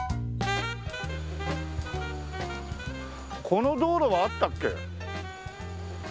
この道路はあったっけ？